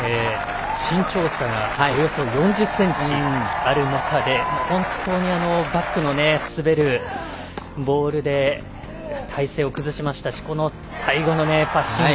身長差がおよそ４０ｃｍある中で本当にバックの滑るボールで体勢を崩しましたし最後のパッシング。